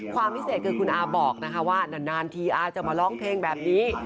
ความพิเศษคือคุณอาบอกนะคะว่านานทีอาจะมาร้องเพลงแบบนี้